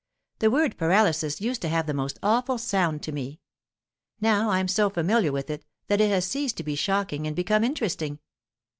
The word 'paralysis' used to have the most awful sound to me; now I'm so familiar with it that it has ceased to be shocking and become interesting.